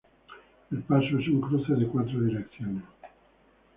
El paso es un cruce de cuatro direcciones.